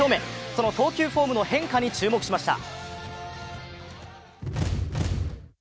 その投球フォームの変化に注目しました。